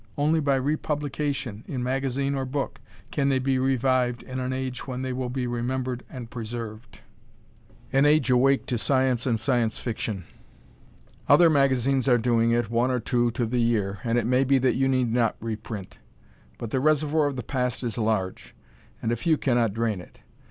Only by republication, in magazine or book, can they be revived in an age when they will be remembered and preserved an age awake to science and Science Fiction. Other magazines are doing it, one or two to the year, and it may be that you need not reprint; but the reservoir of the past is large, and a few cannot drain it.